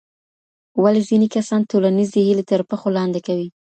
ولې ځینې کسان ټولنیزې هیلې تر پښو لاندې کوي؟